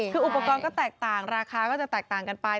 คืออุปกรณ์ก็แตกต่างราคาก็จะแตกต่างกันไป